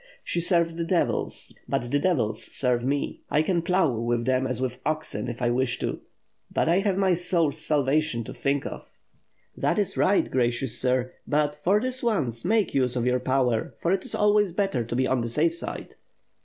She serves the devils, but the devils serve me. 1 can plough with them as with oxen if I wish it, but I have my soul's salvation to think of." "That is right, gracious sir; but, for this once, make use of your power, for it is always better to be on the safe side."